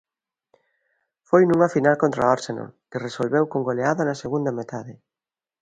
Foi nunha final contra o Arsenal que resolveu con goleada na segunda metade.